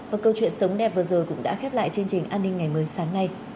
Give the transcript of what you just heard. và câu chuyện sống đẹp vừa rồi cũng đã khép lại chương trình an ninh ngày mới sáng nay